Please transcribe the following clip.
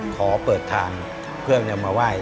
ขอเปิดทางเพื่อจะมาไหว้